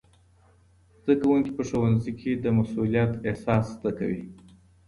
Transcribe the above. زدهکوونکي په ښوونځي کي د مسئولیت احساس زده کوي.